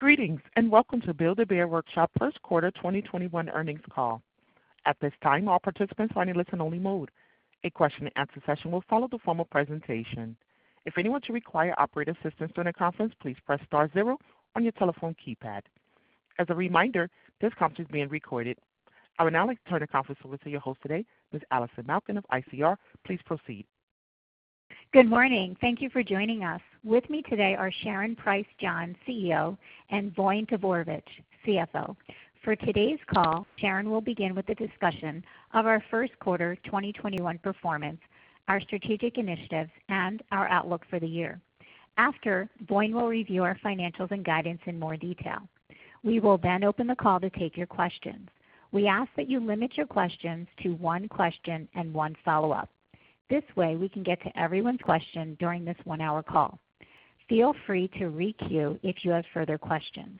Greetings, welcome to Build-A-Bear Workshop first quarter 2021 earnings call. At this time, all participants are in a listen-only mode. A question-and-answer session will follow the formal presentation. If anyone should require operator assistance during the conference, please press star zero on your telephone keypad. As a reminder, this conference is being recorded. I would now like to turn the conference over to your host today, Ms. Allison Malkin of ICR. Please proceed. Good morning. Thank you for joining us. With me today are Sharon Price John, CEO, and Voin Todorovic, CFO. For today's call, Sharon will begin with a discussion of our first quarter 2021 performance, our strategic initiatives, and our outlook for the year. After, Voin will review our financials and guidance in more detail. We will open the call to take your questions. We ask that you limit your questions to one question and one follow-up. This way, we can get to everyone's question during this one-hour call. Feel free to re-queue if you have further questions.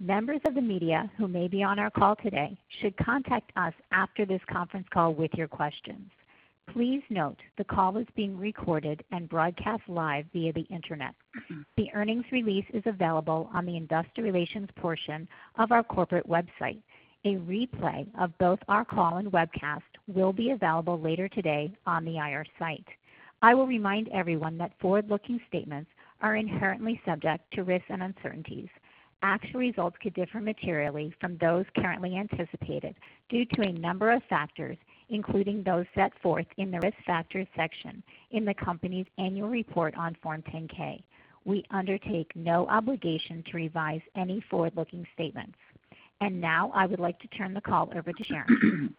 Members of the media who may be on our call today should contact us after this conference call with your questions. Please note, the call is being recorded and broadcast live via the internet. The earnings release is available on the investor relations portion of our corporate website. A replay of both our call and webcast will be available later today on the IR site. I will remind everyone that forward-looking statements are inherently subject to risks and uncertainties. Actual results could differ materially from those currently anticipated due to a number of factors, including those set forth in the Risk Factors section in the company's annual report on Form 10-K. We undertake no obligation to revise any forward-looking statements. Now I would like to turn the call over to Sharon.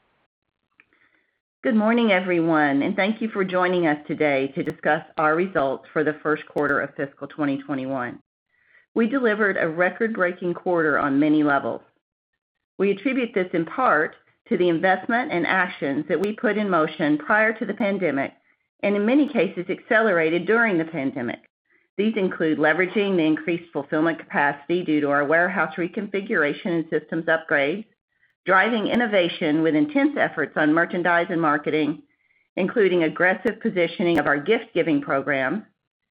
Good morning, everyone. Thank you for joining us today to discuss our results for the first quarter of fiscal 2021. We delivered a record-breaking quarter on many levels. We attribute this in part to the investment and actions that we put in motion prior to the pandemic, and in many cases, accelerated during the pandemic. These include leveraging the increased fulfillment capacity due to our warehouse reconfiguration and systems upgrades, driving innovation with intense efforts on merchandise and marketing, including aggressive positioning of our gift-giving program,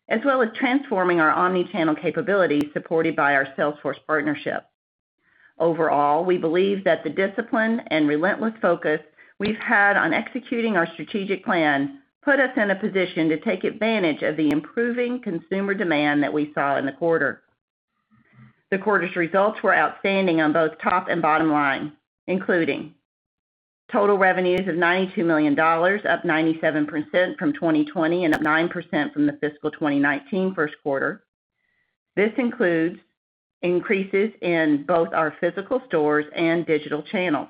as well as transforming our omni-channel capabilities supported by our Salesforce partnership. Overall, we believe that the discipline and relentless focus we've had on executing our strategic plan put us in a position to take advantage of the improving consumer demand that we saw in the quarter. The quarter's results were outstanding on both top and bottom line, including total revenues of $92 million, up 97% from 2020 and up 9% from the fiscal 2019 first quarter. This includes increases in both our physical stores and digital channels.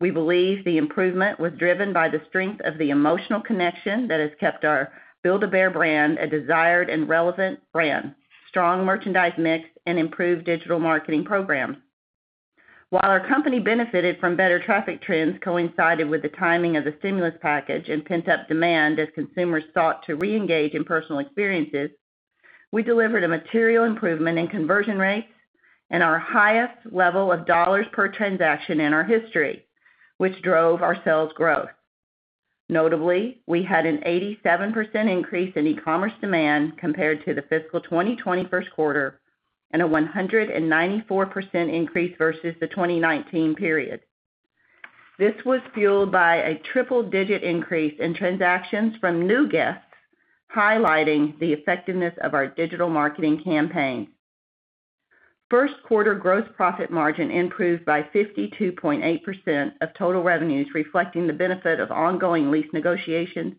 We believe the improvement was driven by the strength of the emotional connection that has kept our Build-A-Bear brand a desired and relevant brand, strong merchandise mix, and improved digital marketing programs. While our company benefited from better traffic trends coincided with the timing of the stimulus package and pent-up demand as consumers sought to reengage in personal experiences, we delivered a material improvement in conversion rates and our highest level of dollars per transaction in our history, which drove our sales growth. Notably, we had an 87% increase in e-commerce demand compared to the fiscal 2020 first quarter and a 194% increase versus the 2019 period. This was fueled by a triple-digit increase in transactions from new guests, highlighting the effectiveness of our digital marketing campaign. First quarter gross profit margin improved by 52.8% of total revenues, reflecting the benefit of ongoing lease negotiations,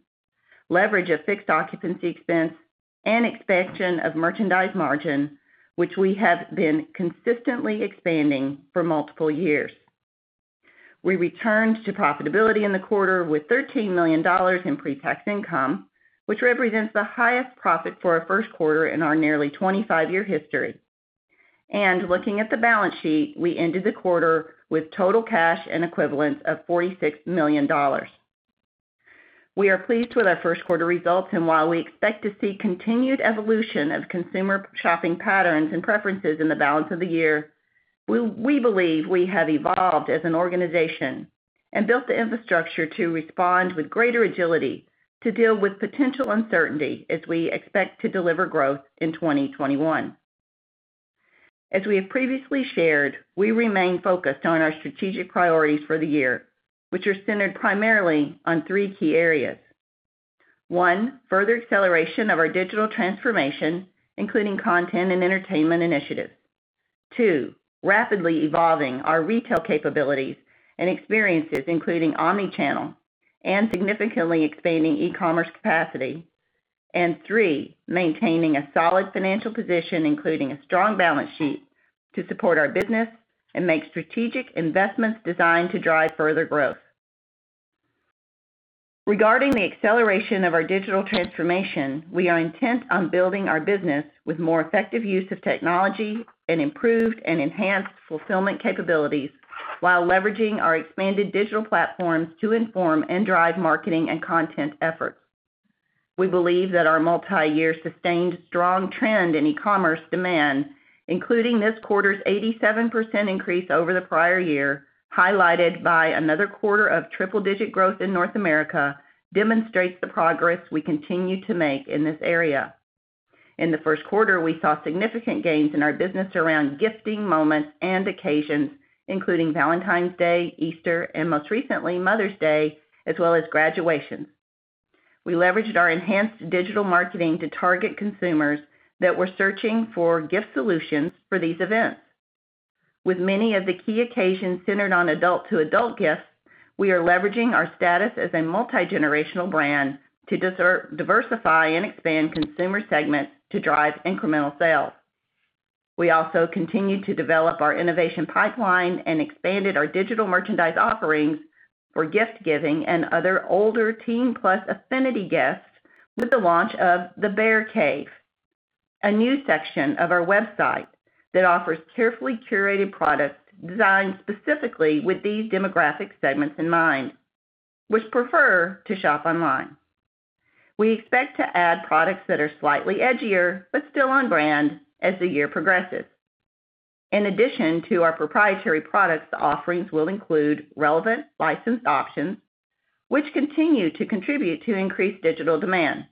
leverage of fixed occupancy expense, and expansion of merchandise margin, which we have been consistently expanding for multiple years. We returned to profitability in the quarter with $13 million in pre-tax income, which represents the highest profit for a first quarter in our nearly 25-year history. Looking at the balance sheet, we ended the quarter with total cash and equivalents of $46 million. We are pleased with our first quarter results, and while we expect to see continued evolution of consumer shopping patterns and preferences in the balance of the year, we believe we have evolved as an organization and built the infrastructure to respond with greater agility to deal with potential uncertainty as we expect to deliver growth in 2021. As we have previously shared, we remain focused on our strategic priorities for the year, which are centered primarily on three key areas. One, further acceleration of our digital transformation, including content and entertainment initiatives. Two, rapidly evolving our retail capabilities and experiences, including omni-channel, and significantly expanding e-commerce capacity. Three, maintaining a solid financial position, including a strong balance sheet, to support our business and make strategic investments designed to drive further growth. Regarding the acceleration of our digital transformation, we are intent on building our business with more effective use of technology and improved and enhanced fulfillment capabilities while leveraging our expanded digital platforms to inform and drive marketing and content efforts. We believe that our multi-year sustained strong trend in e-commerce demand, including this quarter's 87% increase over the prior year, highlighted by another quarter of triple-digit growth in North America demonstrates the progress we continue to make in this area. In the first quarter, we saw significant gains in our business around gifting moments and occasions, including Valentine's Day, Easter, and most recently, Mother's Day, as well as graduations. We leveraged our enhanced digital marketing to target consumers that were searching for gift solutions for these events. With many of the key occasions centered on adult-to-adult gifts, we are leveraging our status as a multi-generational brand to diversify and expand consumer segments to drive incremental sales. We also continued to develop our innovation pipeline and expanded our digital merchandise offerings for gift-giving and other older teen-plus affinity guests with the launch of The Bear Cave, a new section of our website that offers carefully curated products designed specifically with these demographic segments in mind, which prefer to shop online. We expect to add products that are slightly edgier but still on brand as the year progresses. In addition to our proprietary product offerings, we'll include relevant licensed options, which continue to contribute to increased digital demand.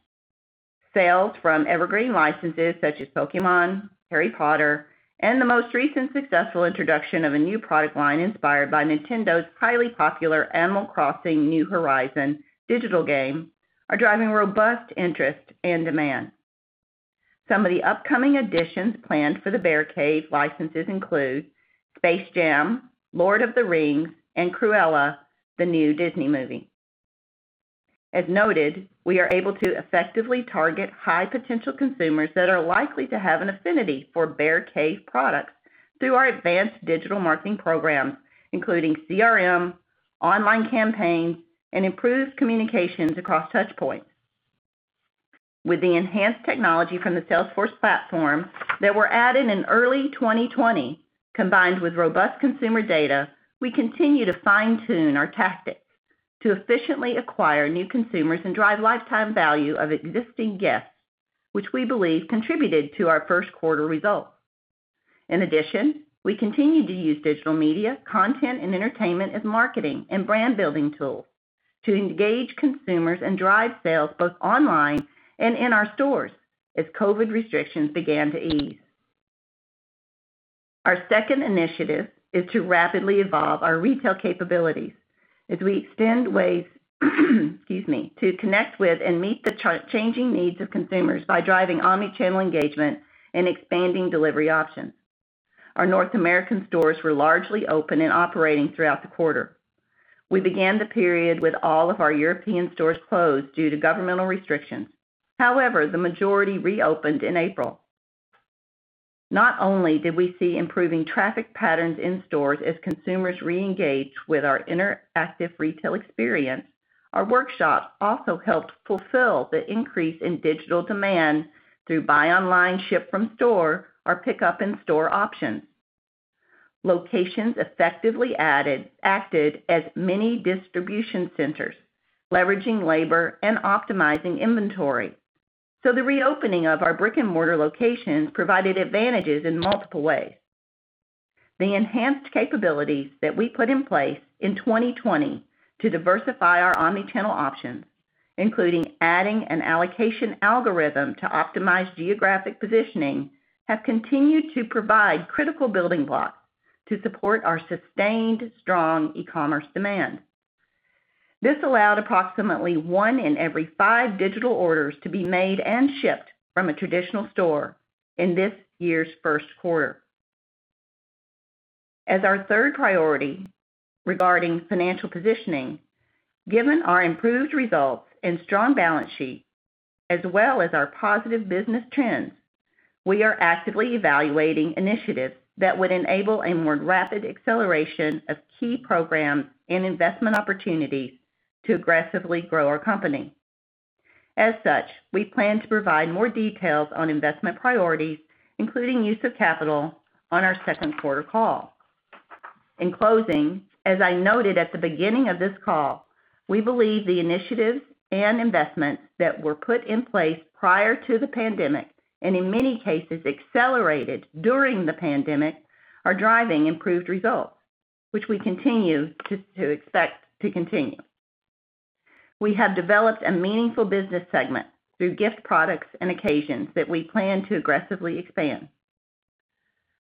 Sales from evergreen licenses such as Pokémon, Harry Potter, and the most recent successful introduction of a new pipeline inspired by Nintendo's highly popular Animal Crossing: New Horizons digital game are driving robust interest and demand. Some of the upcoming additions planned for the Bear Cave licenses include Space Jam, Lord of the Rings, and Cruella, the new Disney movie. As noted, we are able to effectively target high-potential consumers that are likely to have an affinity for Bear Cave products through our advanced digital marketing program, including CRM, online campaigns, and improved communications across touchpoints. With the enhanced technology from the Salesforce platform that were added in early 2020, combined with robust consumer data, we continue to fine-tune our tactics to efficiently acquire new consumers and drive lifetime value of existing guests, which we believe contributed to our first quarter results. We continue to use digital media, content, and entertainment as marketing and brand-building tools to engage consumers and drive sales both online and in our stores as COVID restrictions began to ease. Our second initiative is to rapidly evolve our retail capabilities as we extend ways to connect with and meet the changing needs of consumers by driving omni-channel engagement and expanding delivery options. Our North American stores were largely open and operating throughout the quarter. We began the period with all of our European stores closed due to governmental restrictions. The majority reopened in April. Not only did we see improving traffic patterns in stores as consumers re-engaged with our interactive retail experience, our workshops also helped fulfill the increase in digital demand through buy online, ship from store, or pickup in-store options. Locations effectively acted as mini distribution centers, leveraging labor and optimizing inventory. The reopening of our brick-and-mortar locations provided advantages in multiple ways. The enhanced capabilities that we put in place in 2020 to diversify our omni-channel options, including adding an allocation algorithm to optimize geographic positioning, have continued to provide critical building blocks to support our sustained strong e-commerce demand. This allowed approximately one in every five digital orders to be made and shipped from a traditional store in this year's first quarter. As our third priority regarding financial positioning, given our improved results and strong balance sheet as well as our positive business trends, we are actively evaluating initiatives that would enable a more rapid acceleration of key programs and investment opportunities to aggressively grow our company. As such, we plan to provide more details on investment priorities, including use of capital on our second quarter call. In closing, as I noted at the beginning of this call, we believe the initiatives and investments that were put in place prior to the pandemic, and in many cases accelerated during the pandemic, are driving improved results, which we continue to expect to continue. We have developed a meaningful business segment through gift products and occasions that we plan to aggressively expand.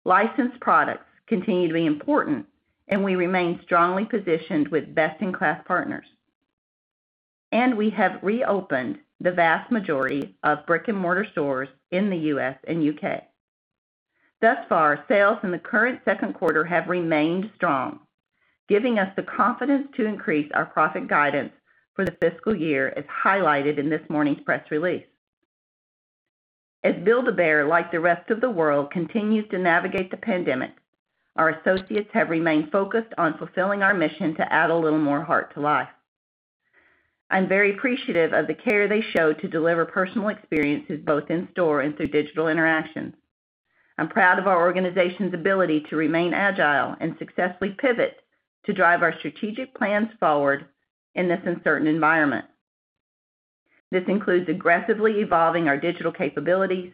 Licensed products continue to be important, and we remain strongly positioned with best-in-class partners. We have reopened the vast majority of brick-and-mortar stores in the U.S. and U.K. Thus far, sales in the current second quarter have remained strong, giving us the confidence to increase our profit guidance for the fiscal year as highlighted in this morning's press release. As Build-A-Bear, like the rest of the world, continues to navigate the pandemic, our associates have remained focused on fulfilling our mission to add a little more heart to life. I'm very appreciative of the care they show to deliver personal experiences both in-store and through digital interactions. I'm proud of our organization's ability to remain agile and successfully pivot to drive our strategic plans forward in this uncertain environment. This includes aggressively evolving our digital capabilities,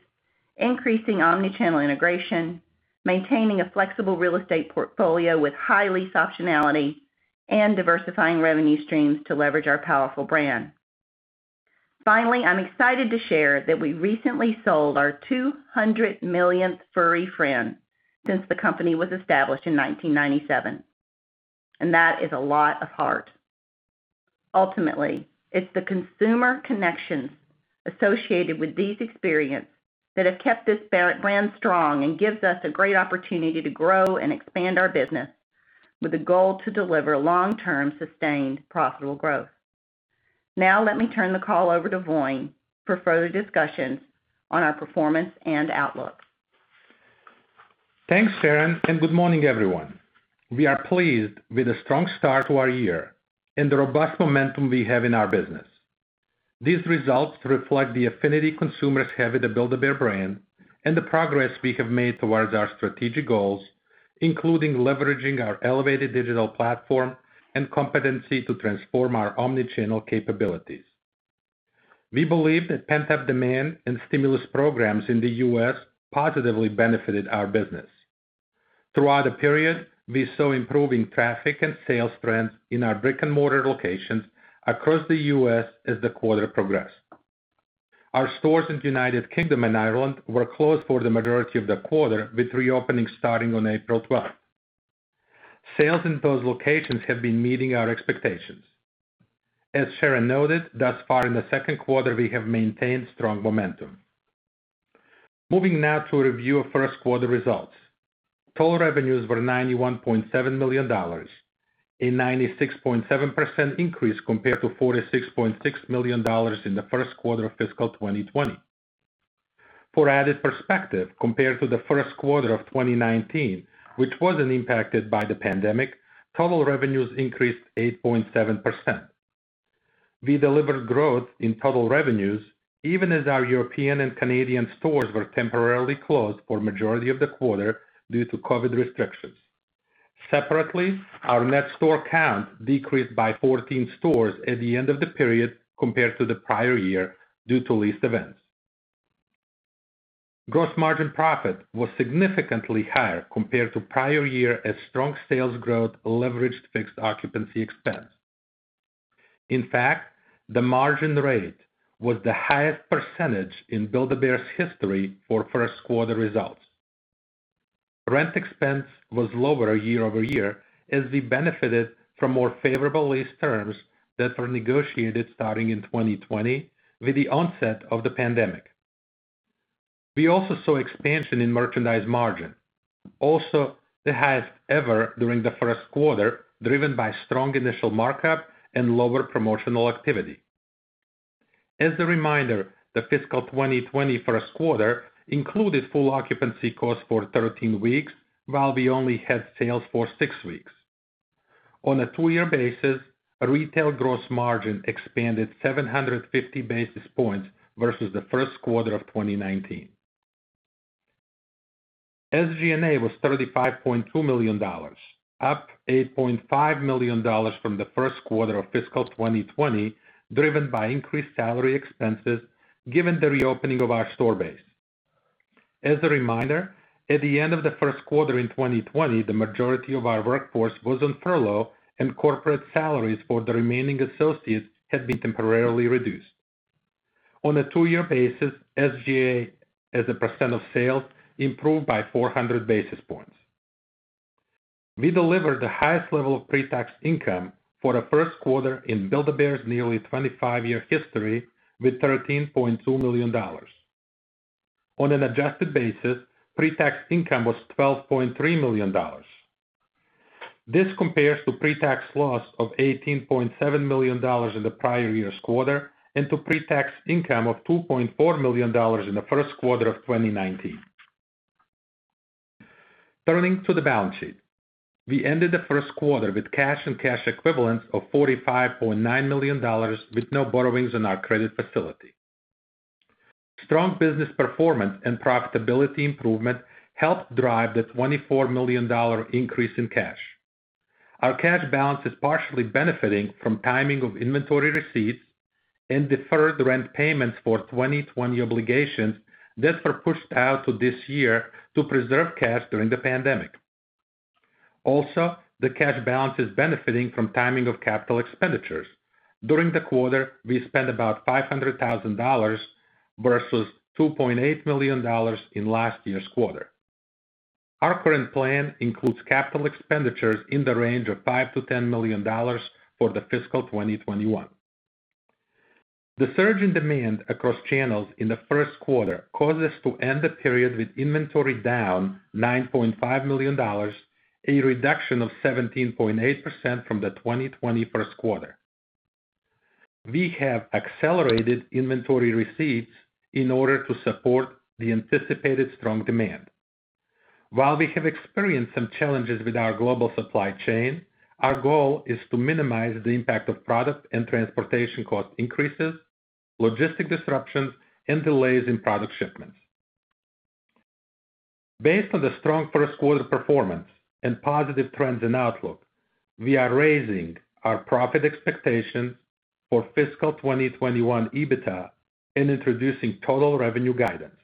increasing omni-channel integration, maintaining a flexible real estate portfolio with high lease optionality, and diversifying revenue streams to leverage our powerful brand. Finally, I'm excited to share that we recently sold our 200 millionth furry friend since the company was established in 1997, and that is a lot of heart. Ultimately, it's the consumer connections associated with these experiences that have kept this brand strong and gives us a great opportunity to grow and expand our business with a goal to deliver long-term, sustained, profitable growth. Let me turn the call over to Voin for further discussions on our performance and outlook. Thanks, Sharon. Good morning, everyone. We are pleased with the strong start to our year and the robust momentum we have in our business. These results reflect the affinity consumers have with the Build-A-Bear brand and the progress we have made towards our strategic goals, including leveraging our elevated digital platform and competency to transform our omni-channel capabilities. We believe that pent-up demand and stimulus programs in the U.S. positively benefited our business. Throughout the period, we saw improving traffic and sales trends in our brick-and-mortar locations across the U.S. as the quarter progressed. Our stores in the United Kingdom and Ireland were closed for the majority of the quarter, with reopening starting on April 12th. Sales in those locations have been meeting our expectations. As Sharon noted, thus far in the second quarter, we have maintained strong momentum. Moving now to a review of first quarter results. Total revenues were $91.7 million, a 96.7% increase compared to $46.6 million in the first quarter of fiscal 2020. For added perspective, compared to the first quarter of 2019, which wasn't impacted by the pandemic, total revenues increased 8.7%. We delivered growth in total revenues even as our European and Canadian stores were temporarily closed for the majority of the quarter due to COVID restrictions. Separately, our net store count decreased by 14 stores at the end of the period compared to the prior year due to lease events. Gross margin profit was significantly higher compared to the prior year as strong sales growth leveraged fixed occupancy expense. In fact, the margin rate was the highest percentage in Build-A-Bear's history for first quarter results. Rent expense was lower year-over-year as we benefited from more favorable lease terms that were negotiated starting in 2020 with the onset of the pandemic. We also saw expansion in merchandise margin, also the highest ever during the first quarter, driven by strong initial markup and lower promotional activity. As a reminder, the fiscal 2020 first quarter included full occupancy costs for 13 weeks, while we only had sales for six weeks. On a two-year basis, retail gross margin expanded 750 basis points versus the first quarter of 2019. SG&A was $35.2 million, up $8.5 million from the first quarter of fiscal 2020, driven by increased salary expenses given the reopening of our store base. As a reminder, at the end of the first quarter in 2020, the majority of our workforce was on furlough and corporate salaries for the remaining associates had been temporarily reduced. On a two-year basis, SG&A as a percentage of sales improved by 400 basis points. We delivered the highest level of pre-tax income for a first quarter in Build-A-Bear's nearly 25-year history with $13.2 million. On an adjusted basis, pre-tax income was $12.3 million. This compares to pre-tax loss of $18.7 million in the prior year's quarter and to pre-tax income of $2.4 million in the first quarter of 2019. Turning to the balance sheet. We ended the first quarter with cash and cash equivalents of $45.9 million, with no borrowings on our credit facility. Strong business performance and profitability improvement helped drive the $24 million increase in cash. Our cash balance is partially benefiting from timing of inventory receipts and deferred rent payments for 2020 obligations that were pushed out to this year to preserve cash during the pandemic. The cash balance is benefiting from timing of capital expenditures. During the quarter, we spent about $500,000 versus $2.8 million in last year's quarter. Our current plan includes capital expenditures in the range of $5 million-$10 million for the fiscal 2021. The surge in demand across channels in the first quarter caused us to end the period with inventory down $9.5 million, a reduction of 17.8% from the 2020 first quarter. We have accelerated inventory receipts in order to support the anticipated strong demand. While we have experienced some challenges with our global supply chain, our goal is to minimize the impact of product and transportation cost increases, logistic disruptions, and delays in product shipments. Based on the strong first quarter performance and positive trends and outlook, we are raising our profit expectations for fiscal 2021 EBITDA and introducing total revenue guidance.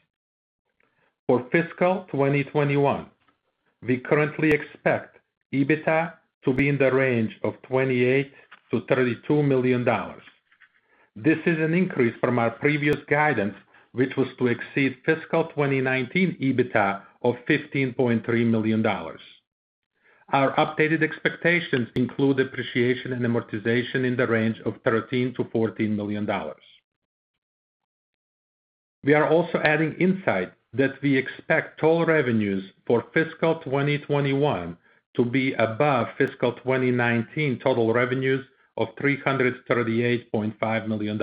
For fiscal 2021, we currently expect EBITDA to be in the range of $28 million-$32 million. This is an increase from our previous guidance, which was to exceed fiscal 2019 EBITDA of $15.3 million. Our updated expectations include depreciation and amortization in the range of $13 million-$14 million. We are also adding insight that we expect total revenues for fiscal 2021 to be above fiscal 2019 total revenues of $338.5 million.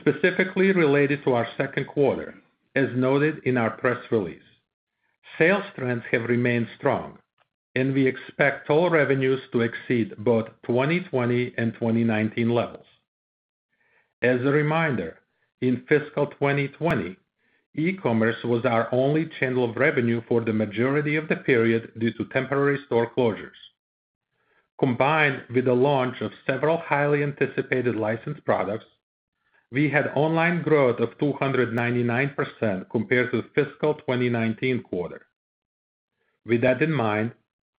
Specifically related to our second quarter, as noted in our press release, sales trends have remained strong and we expect total revenues to exceed both 2020 and 2019 levels. As a reminder, in fiscal 2020, e-commerce was our only channel of revenue for the majority of the period due to temporary store closures. Combined with the launch of several highly anticipated licensed products, we had online growth of 299% compared to the fiscal 2019 quarter. With that in mind,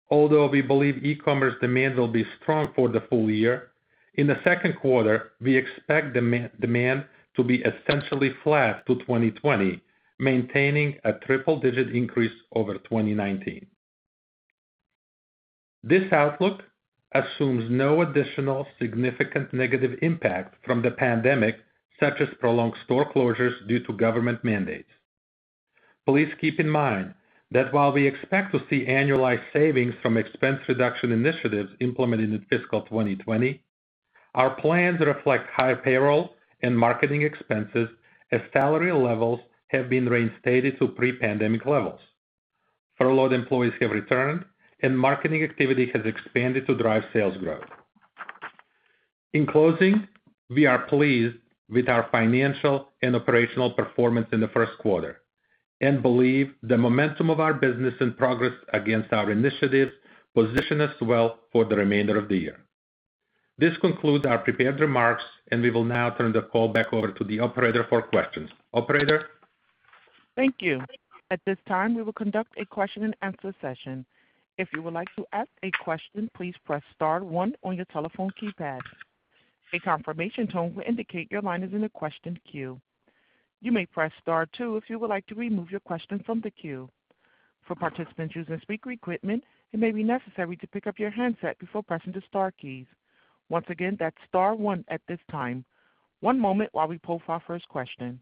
although we believe e-commerce demand will be strong for the full year, in the second quarter, we expect demand to be essentially flat to 2020, maintaining a triple-digit increase over 2019. This outlook assumes no additional significant negative impact from the pandemic, such as prolonged store closures due to government mandates. Please keep in mind that while we expect to see annualized savings from expense reduction initiatives implemented in fiscal 2020, our plans reflect high payroll and marketing expenses as salary levels have been reinstated to pre-pandemic levels. Furloughed employees have returned, and marketing activity has expanded to drive sales growth. In closing, we are pleased with our financial and operational performance in the first quarter and believe the momentum of our business and progress against our initiatives position us well for the remainder of the year. This concludes our prepared remarks, and we will now turn the call back over to the operator for questions. Operator? Thank you. At this time, we will conduct a question-and-answer session. If you would like to ask a question, please press star one on your telephone keypad. A confirmation tone will indicate your line is in the questions queue. You may press star two if you would like to remove your question from the queue. For participants using speaker equipment, it may be necessary to pick up your handset before pressing the star keys. Once again, that's star one at this time. One moment while we pull for our first question.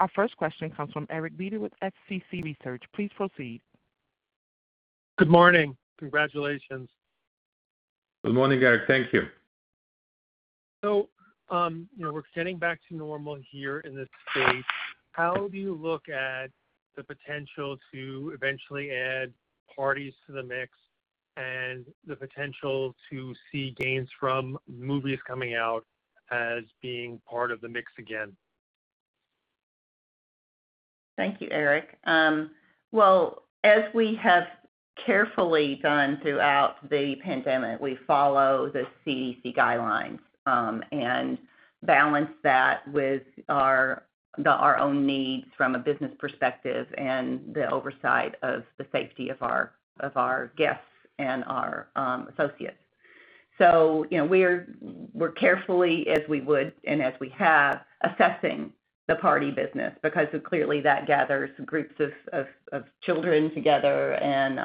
Our first question comes from Eric Beder with SCC Research. Please proceed. Good morning. Congratulations. Good morning, Eric. Thank you. We're getting back to normal here in the space. How do you look at the potential to eventually add parties to the mix and the potential to see gains from movies coming out as being part of the mix again? Thank you, Eric. As we have carefully done throughout the pandemic, we follow the CDC guidelines and balance that with our own needs from a business perspective and the oversight of the safety of our guests and our associates. We're carefully, as we would and as we have, assessing the party business because clearly that gathers groups of children together and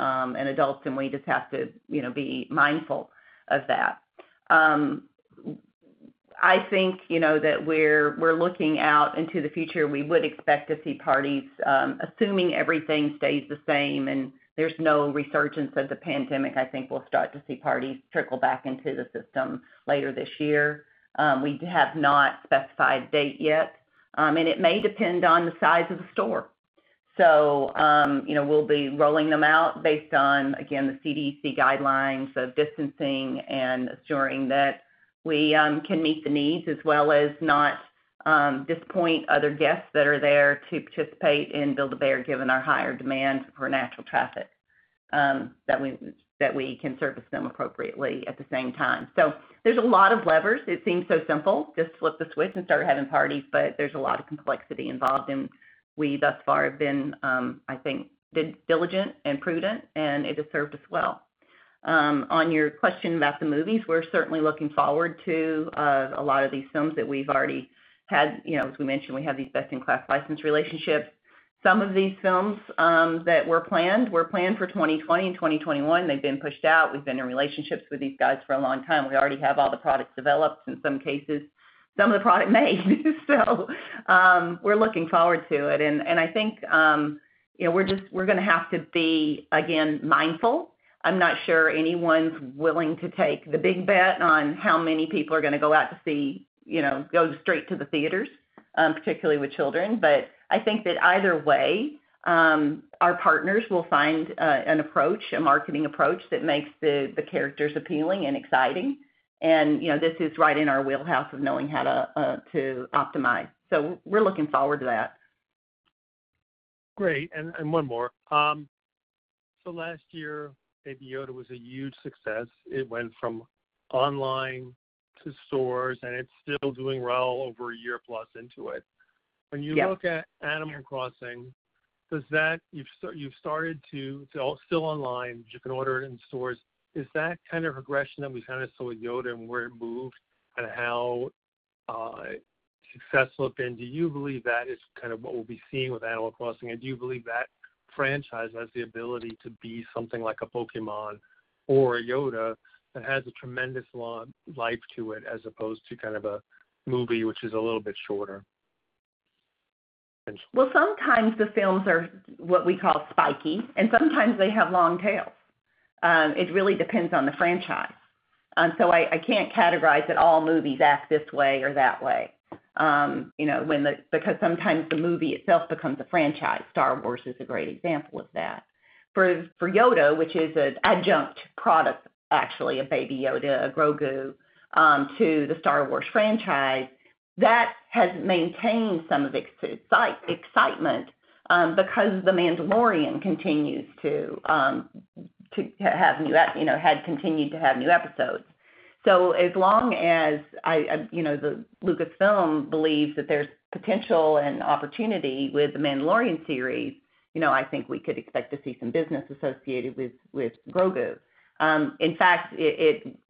adults, and we just have to be mindful of that. I think that we're looking out into the future. We would expect to see parties, assuming everything stays the same and there's no resurgence of the pandemic, I think we'll start to see parties trickle back into the system later this year. We have not specified a date yet, and it may depend on the size of the store. We'll be rolling them out based on, again, the CDC guidelines of distancing and ensuring that we can meet the needs as well as not disappoint other guests that are there to participate in Build-A-Bear given our higher demand for natural traffic, that we can service them appropriately at the same time. There's a lot of levers. It seems so simple. Just flip the switch and start adding parties, but there's a lot of complexity involved, and we thus far have been, I think, diligent and prudent, and it has served us well. On your question about the movies, we're certainly looking forward to a lot of these films that we've already had. As we mentioned, we have these best-in-class license relationships. Some of these films that were planned were planned for 2020 and 2021. They've been pushed out. We've been in relationships with these guys for a long time. We already have all the products developed in some cases, some of the product made. We're looking forward to it. I think we're going to have to be, again, mindful. I'm not sure anyone's willing to take the big bet on how many people are going to go out to go straight to the theaters, particularly with children. I think that either way, our partners will find an approach, a marketing approach that makes the characters appealing and exciting, and this is right in our wheelhouse of knowing how to optimize. We're looking forward to that. Great. One more. Last year, Baby Yoda was a huge success. It went from online to stores, and it's still doing well over a year plus into it. Yeah. When you look at Animal Crossing, it's all still online, but you can order it in stores. Is that kind of progression that we kind of saw with Yoda and where it moved and how successful it's been, do you believe that is kind of what we'll be seeing with Animal Crossing? Do you believe that franchise has the ability to be something like a Pokémon or a Yoda that has a tremendous life to it, as opposed to kind of a movie, which is a little bit shorter? Well, sometimes the films are what we call spiky, and sometimes they have long tails. It really depends on the franchise. I can't categorize that all movies act this way or that way because sometimes the movie itself becomes a franchise. Star Wars is a great example of that. For Yoda, which is an adjunct product, actually, of Baby Yoda, Grogu, to the Star Wars franchise, that has maintained some of its excitement because The Mandalorian continues to have new episodes. As long as Lucasfilm believes that there's potential and opportunity with The Mandalorian series, I think we could expect to see some business associated with Grogu. In fact,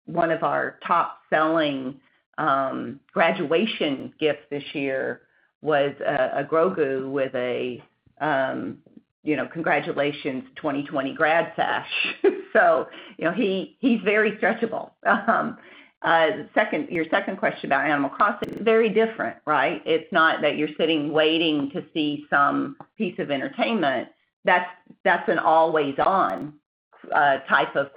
one of our top-selling graduation gifts this year was a Grogu with a congratulations 2020 grad sash. He's very dressable. Your second question about Animal Crossing, very different, right? It's not that you're sitting waiting to see some piece of entertainment. That's an always on type of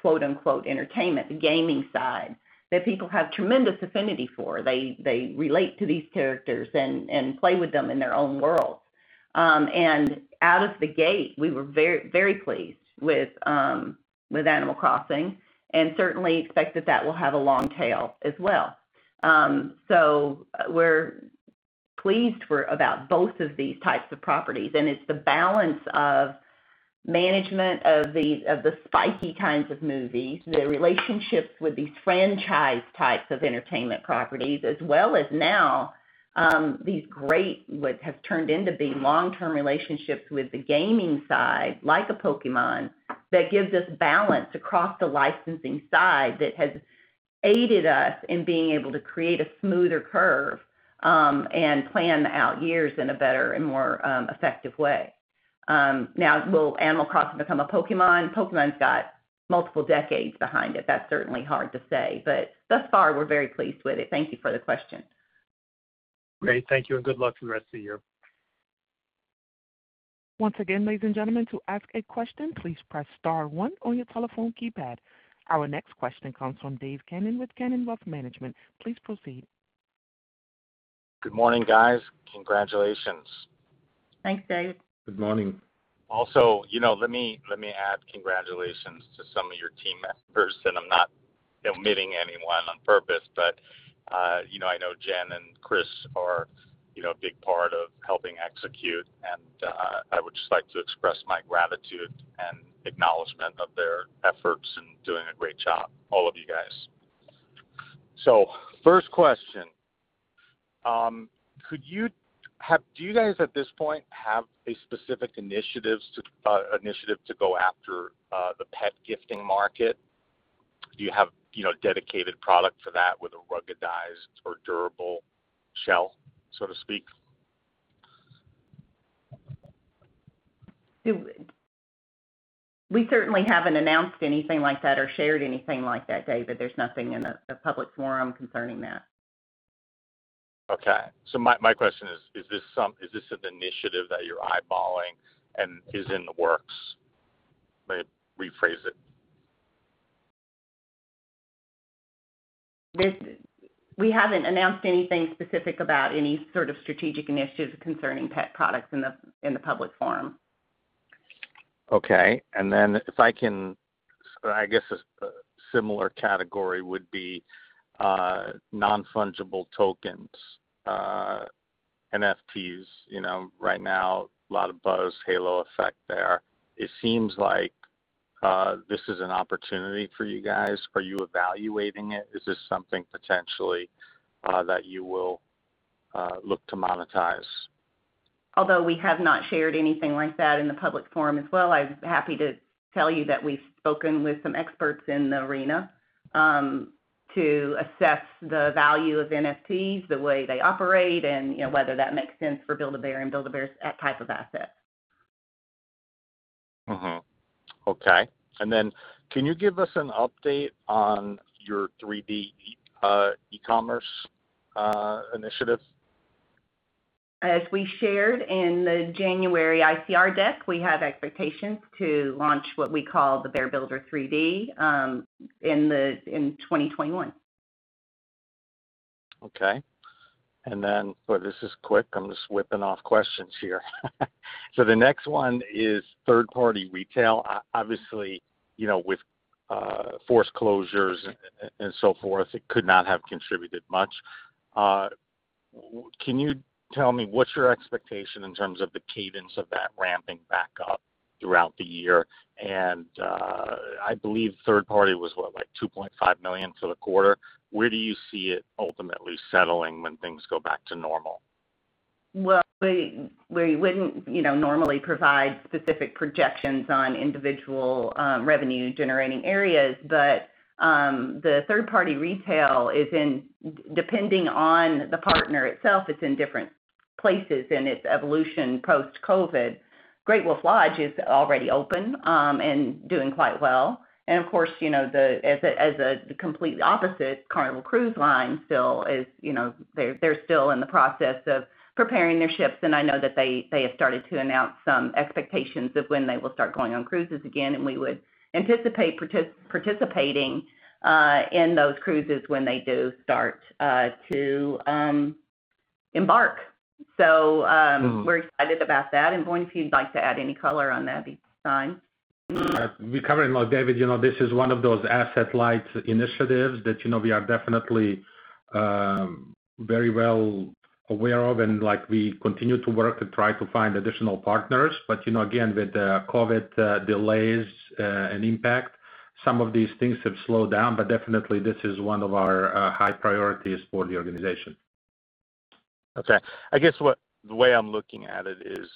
entertainment, the gaming side, that people have tremendous affinity for. They relate to these characters and play with them in their own world. Out of the gate, we were very pleased with Animal Crossing and certainly expect that that will have a long tail as well. We're pleased about both of these types of properties, and it's the balance of management of the spiky kinds of movies, the relationships with these franchise types of entertainment properties, as well as now, these great, what have turned into be long-term relationships with the gaming side, like a Pokémon, that gives us balance across the licensing side that has aided us in being able to create a smoother curve and plan out years in a better and more effective way. Will Animal Crossing become a Pokémon? Pokémon's got multiple decades behind it. That's certainly hard to say, but thus far, we're very pleased with it. Thank you for the question. Great. Thank you, and good luck the rest of the year. Once again, ladies and gentlemen, to ask a question, please press star one on your telephone keypad. Our next question comes from Dave Kanen with Kanen Wealth Management. Please proceed. Good morning, guys. Congratulations. Thanks, Dave. Good morning. Let me add congratulations to some of your team members, and I'm not omitting anyone on purpose, but I know Jen and Chris are a big part of helping execute, and I would just like to express my gratitude and acknowledgement of their efforts in doing a great job, all of you guys. First question, do you guys at this point have a specific initiative to go after the pet gifting market? Do you have dedicated product for that with a ruggedized or durable shell, so to speak? We certainly haven't announced anything like that or shared anything like that, Dave. There's nothing in a public forum concerning that. Okay. My question is this an initiative that you're eyeballing and is in the works? Let me rephrase it. We haven't announced anything specific about any sort of strategic initiatives concerning pet products in a public forum. Okay, then if I can, I guess a similar category would be non-fungible tokens, NFTs. Right now, a lot of buzz, halo effect there. It seems like this is an opportunity for you guys. Are you evaluating it? Is this something potentially that you will look to monetize? Although we have not shared anything like that in a public forum as well, I'm happy to tell you that we've spoken with some experts in the arena to assess the value of NFTs, the way they operate, and whether that makes sense for Build-A-Bear and Build-A-Bear type of assets. Okay. Can you give us an update on your 3D e-commerce initiative? As we shared in the January ICR deck, we have expectations to launch what we call the Bear Builder 3D in 2021. Okay. Boy, this is quick. I'm just whipping off questions here. The next one is third-party retail. Obviously, with force closures and so forth. It could not have contributed much. Can you tell me what's your expectation in terms of the cadence of that ramping back up throughout the year? I believe third party was what? Like $2.5 million for the quarter. Where do you see it ultimately settling when things go back to normal? Well, we wouldn't normally provide specific projections on individual revenue-generating areas, but the third-party retail, depending on the partner itself, it's in different places in its evolution post-COVID. Great Wolf Lodge is already open and doing quite well. Of course, as a complete opposite, Carnival Cruise Line, they're still in the process of preparing their ships, and I know that they have started to announce some expectations of when they will start going on cruises again, and we would anticipate participating in those cruises when they do start to embark. We're excited about that, and Voin, if you'd like to add any color on that at this time. We covered it, Dave. This is one of those asset-light initiatives that we are definitely very well aware of, and we continue to work to try to find additional partners. Again, with the COVID delays and impact, some of these things have slowed down. Definitely this is one of our high priorities for the organization. Okay. I guess the way I'm looking at it is,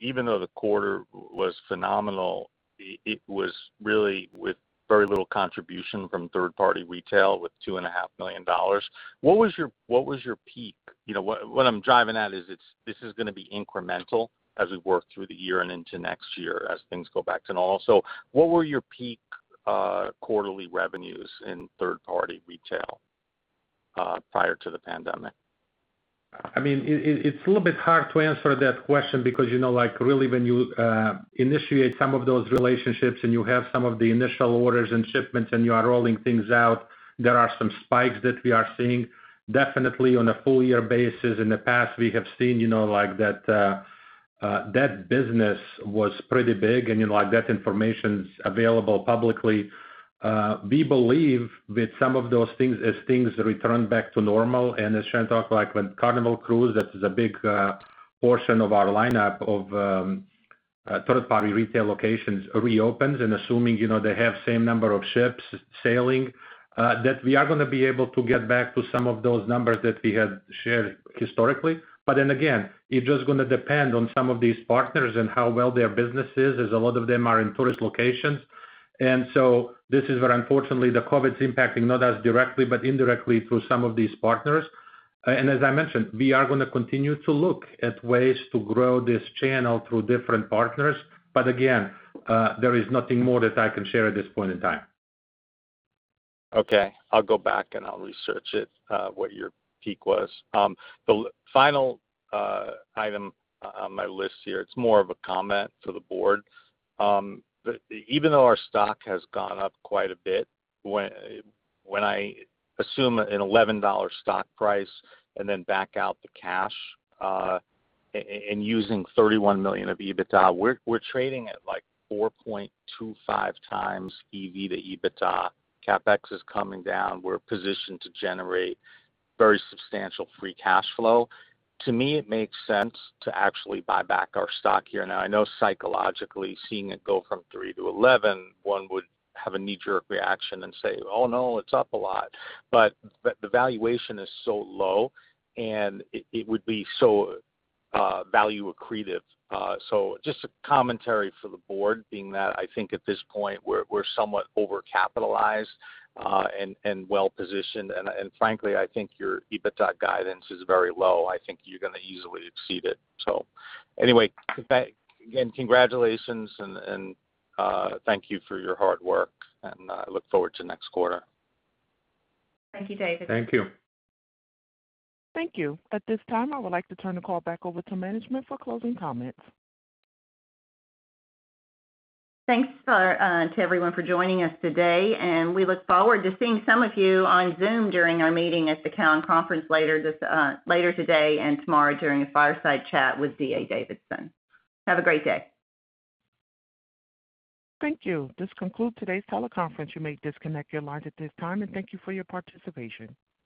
even though the quarter was phenomenal, it was really with very little contribution from third-party retail with $2.5 million. What was your peak? What I'm driving at is this is going to be incremental as we work through the year and into next year as things go back to normal. What were your peak quarterly revenues in third-party retail prior to the pandemic? It's a little bit hard to answer that question because really when you initiate some of those relationships and you have some of the initial orders and shipments and you are rolling things out, there are some spikes that we are seeing. Definitely on a full year basis in the past we have seen that that business was pretty big and that information's available publicly. We believe with some of those things, as things return back to normal, and as Sharon Price John talked about with Carnival Cruise Line, that is a big portion of our lineup of third-party retail locations reopens and assuming they have same number of ships sailing, that we are going to be able to get back to some of those numbers that we had shared historically. It's just going to depend on some of these partners and how well their business is, as a lot of them are in tourist locations. This is where unfortunately the COVID's impacting not as directly, but indirectly through some of these partners. As I mentioned, we are going to continue to look at ways to grow this channel through different partners. Again, there is nothing more that I can share at this point in time. Okay. I'll go back and I'll research it, what your peak was. The final item on my list here, it's more of a comment to the board. Even though our stock has gone up quite a bit, when I assume an $11 stock price and then back out the cash, and using $31 million of EBITDA, we're trading at like 4.25x EV to EBITDA. CapEx is coming down. We're positioned to generate very substantial free cash flow. To me, it makes sense to actually buy back our stock here. I know psychologically, seeing it go from $3 to $11, one would have a knee-jerk reaction and say, "Oh, no, it's up a lot." The valuation is so low, and it would be so value accretive. Just a commentary for the board being that I think at this point we're somewhat overcapitalized and well-positioned, and frankly, I think your EBITDA guidance is very low. I think you're going to easily exceed it. Anyway, again, congratulations and thank you for your hard work and I look forward to next quarter. Thank you, Dave. Thank you. Thank you. At this time, I would like to turn the call back over to management for closing comments. Thanks to everyone for joining us today, and we look forward to seeing some of you on Zoom during our meeting at the Cowen Conference later today and tomorrow during our fireside chat with D.A. Davidson. Have a great day. Thank you. This concludes today's teleconference. You may disconnect your lines at this time, and thank you for your participation.